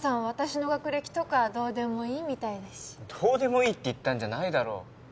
私の学歴とかどうでもいいみたいだしどうでもいいって言ったんじゃないだろう